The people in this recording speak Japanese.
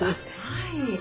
はい。